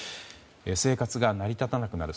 生活が成り立たなくなる。